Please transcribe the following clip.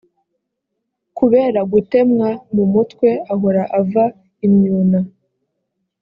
kubera gutemwa mu mutwe, ahora ava imyuna